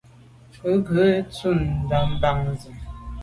Ke ghù jujù dun ntùm bam se.